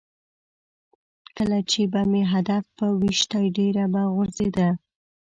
کله چې به مې هدف په ویشتی ډېره به غورځېده.